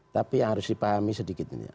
tapi yang harus dipahami sedikit ini